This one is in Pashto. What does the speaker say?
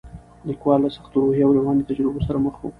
لیکوال له سختو روحي او رواني تجربو سره مخ و.